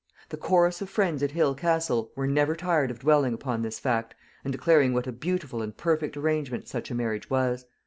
The chorus of friends at Hale Castle were never tired of dwelling upon this fact, and declaring what a beautiful and perfect arrangement such a marriage was.